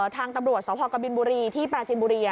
ทางตำรวจสพกบินบุรีที่ปราจินบุรี